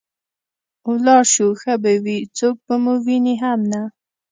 ولاړ شو ښه به وي، څوک به مو ویني هم نه.